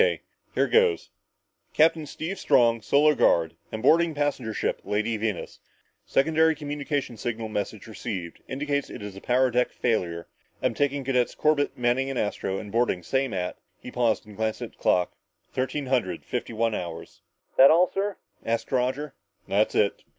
K. here goes Captain Steve Strong Solar Guard am boarding passenger ship Lady Venus. Secondary communications signal message received indicates it is power deck failure. Am taking cadets Corbett, Manning and Astro and boarding same at" he paused and glanced at the clock "thirteen hundred fifty one hours!" "That all, sir?" asked Roger. "That's it.